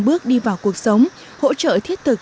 bước đi vào cuộc sống hỗ trợ thiết thực